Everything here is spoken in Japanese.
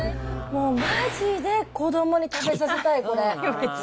もう、まじで子どもに食べさせたい、これ。